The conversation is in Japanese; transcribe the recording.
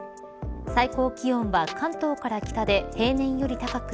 最高気温は関東から北で平年より高く